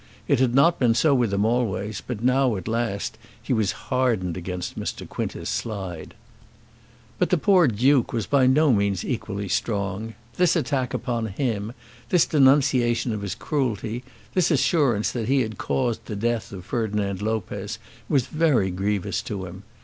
It had not been so with him always, but now, at last, he was hardened against Mr. Quintus Slide. But the poor Duke was by no means equally strong. This attack upon him, this denunciation of his cruelty, this assurance that he had caused the death of Ferdinand Lopez, was very grievous to him.